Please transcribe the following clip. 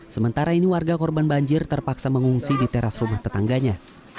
sementara ini warga korban banjir terpaksa mengungsi di teras rumah tetangganya